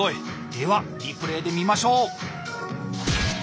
ではリプレーで見ましょう。